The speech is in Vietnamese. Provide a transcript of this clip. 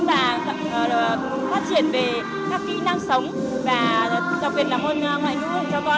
và phát triển về các kỹ năng sống và đặc biệt là hôn ngoại hữu cho con